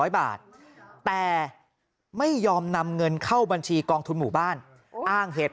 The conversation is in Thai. ๐บาทแต่ไม่ยอมนำเงินเข้าบัญชีกองทุนหมู่บ้านอ้างเหตุ